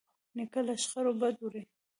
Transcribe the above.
نیکه له شخړو بد وړي.